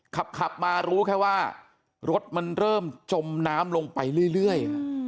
ขับมารู้แค่ว่ารถมันเริ่มจมน้ำลงไปเรื่อย